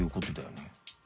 ねえ。